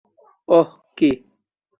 ওহ, কী?